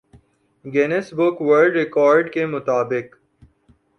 Guinness book world record کے مطابق